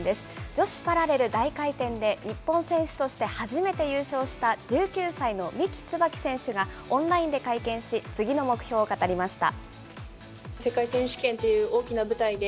女子パラレル大回転で、日本選手として初めて優勝した１９歳の三木つばき選手が、オンラインで会見し、次の目標を語りました。